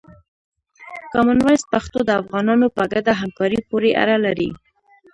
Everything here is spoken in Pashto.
کامن وایس پښتو د افغانانو په ګډه همکاري پورې اړه لري.